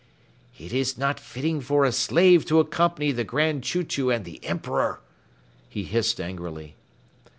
"It is not fitting for a slave to accompany the Grand Chew Chew and the Emperor," he hissed angrily.